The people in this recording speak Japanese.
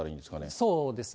そうですね。